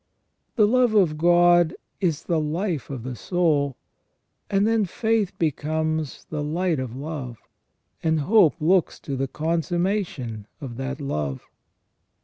The love of God is the life of the soul, and then faith becomes the light of love, and hope looks to the consummation of that love.